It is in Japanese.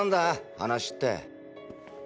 話って？